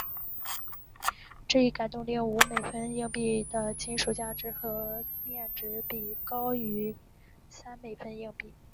这一改动也令五美分硬币的金属价值和面值比高于三美分硬币。